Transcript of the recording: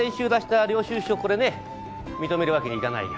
これね認めるわけにいかないよ。